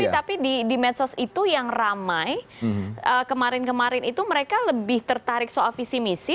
tapi di medsos itu yang ramai kemarin kemarin itu mereka lebih tertarik soal visi misi